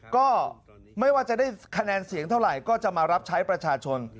ก็ไม่ว่าจะได้คะแนนเสียงเท่าไหร่ก็จะมารับใช้ประชาชน